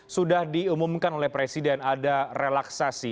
sudah diumumkan oleh presiden ada relaksasi